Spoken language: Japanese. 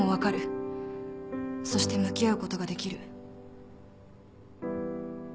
そして向き合うことができる。